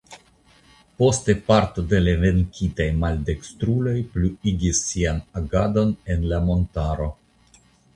Poste parto de la venkitaj maldekstruloj pluigis sian agadon en la montaro.